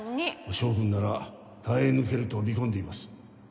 翔くんなら耐え抜けると見込んでいます